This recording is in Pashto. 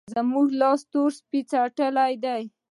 زموږ لاس تور سپي څټلی دی.